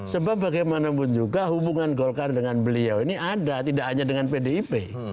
sebab bagaimanapun juga hubungan golkar dengan beliau ini ada tidak hanya dengan pdip